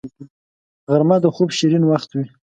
غرمه د خوب شیرین وخت وي